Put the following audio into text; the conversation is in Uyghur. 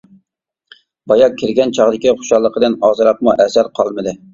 بايا كىرگەن چاغدىكى خۇشاللىقىدىن ئازراقمۇ ئەسەر قالمىدى.